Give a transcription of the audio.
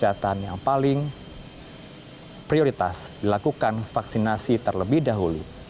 kesehatan yang paling prioritas dilakukan vaksinasi terlebih dahulu